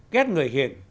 ghét người hiền